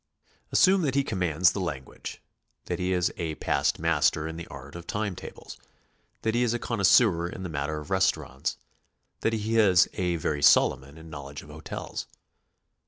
Assume that he commands the lan guage, that he is a past master in the art of time tables, that he is a connoisseur in the matter of restaurants, that he is a very Solom'on in knowledge of hotels.